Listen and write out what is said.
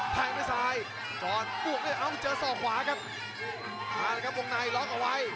แชลเบียนชาวเล็ก